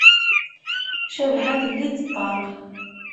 Cabḥa telli-d ṭṭaq.